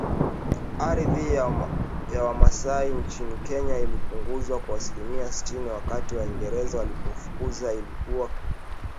ardhi ya Wamasai nchini Kenya ilipunguzwa kwa asilimia sitini wakati Waingereza walipowafukuza ili kutayarisha